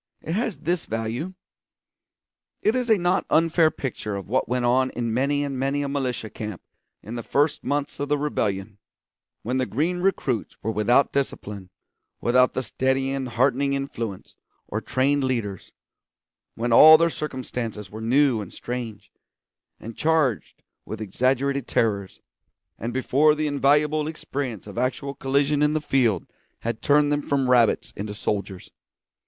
It has this value: it is a not unfair picture of what went on in many and many a militia camp in the first months of the rebellion, when the green recruits were without discipline, without the steadying and heartening influence or trained leaders; when all their circumstances were new and strange, and charged with exaggerated terrors, and before the invaluable experience of actual collision in the field had turned them from rabbits into soldiers.